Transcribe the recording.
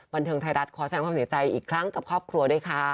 บันเทิงไทยรัฐขอแสดงความเสียใจอีกครั้งกับครอบครัวด้วยค่ะ